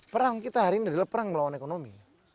perang kita hari ini adalah perang melawan ekonomi